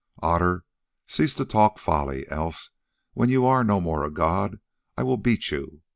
"Otter, cease to talk folly, else when you are no more a god I will beat you.